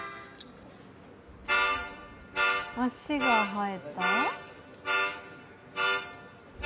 足が生えた？